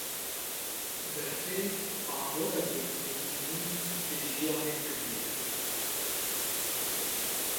Berfê bandoreke neyînî li jiyanê kiriye